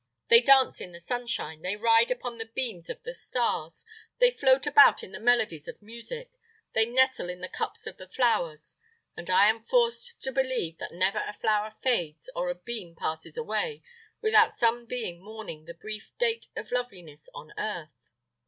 They dance in the sunshine, they ride upon the beams of the stars, they float about in the melodies of music, they nestle in the cups of the flowers; and I am forced to believe that never a flower fades, or a beam passes away, without some being mourning the brief date of loveliness on earth.